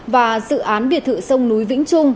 và dự án biệt thự sông núi vĩnh trung